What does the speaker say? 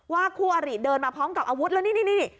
ว่าครูอาริเดินมาพร้อมกับอาวุธแล้วนี่นี่นี่